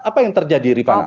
apa yang terjadi ripana